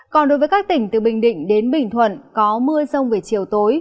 còn đối với các tỉnh từ bình định đến bình thuận có mưa rông về chiều tối